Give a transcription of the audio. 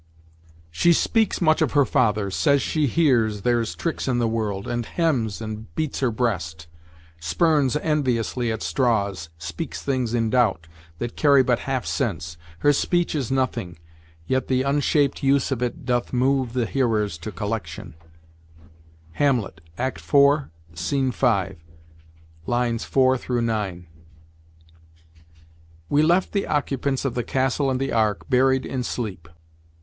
"She speaks much of her father; says she hears, There's tricks i' the world; and hems, and beats her breast; Spurns enviously at straws; speaks things in doubt, That carry but half sense; her speech is nothing, Yet the unshaped use of it doth move The hearers to collection;" Hamlet, IV.v.4 9. We left the occupants of the castle and the ark, buried in sleep.